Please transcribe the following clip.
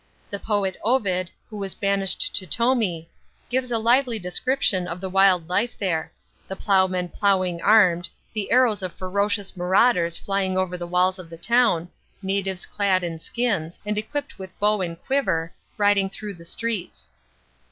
§ The poet Ovid, who was banished to Tomi, gives a lively description of the wild life there — the ploughmen ploughing armed, the arrows of ferocious marauders flying over the walls of the town, natives clad in skins, and equipped with bow and quiver, riding through the streets.